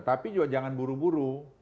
tapi juga jangan buru buru